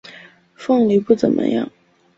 凤梨不怎么样